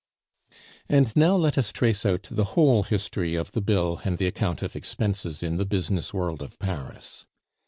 And now let us trace out the whole history of the bill and the account of expenses in the business world of Paris.